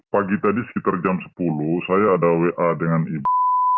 pagi tadi sekitar jam sepuluh saya ada wa dengan ibu